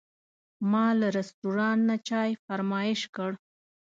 ما له رستورانت نه چای فرمایش کړ.